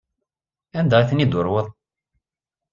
Anda ay ten-id-turweḍ?